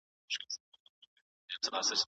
که يوناني تاريخ ولولئ نو ښاري دولتونه به ووينئ.